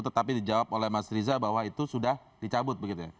tetapi dijawab oleh mas riza bahwa itu sudah dicabut begitu ya